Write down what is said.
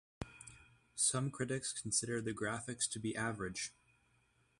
Some critics considered the graphics to be average.